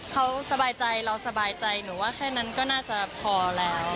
เขาสบายใจเราสบายใจหนูว่าแค่นั้นก็น่าจะพอแล้ว